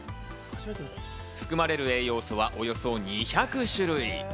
含まれる栄養素はおよそ２００種類。